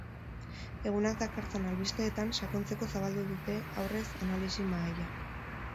Egunak dakartzan albisteetan sakontzeko zabalduko dute, aurrez, analisi mahaia.